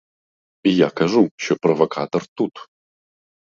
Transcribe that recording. Я кажу, що провокатор тут.